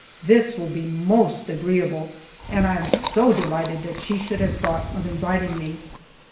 This will be most agreeable, and I am so delighted that she should have thought of inviting me.